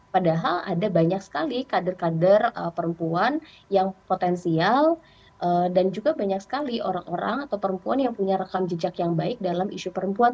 padahal ada banyak sekali kader kader perempuan yang potensial dan juga banyak sekali orang orang atau perempuan yang punya rekam jejak yang baik dalam isu perempuan